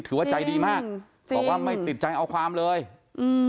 ถือว่าใจดีมากบอกว่าไม่ติดใจเอาความเลยอืม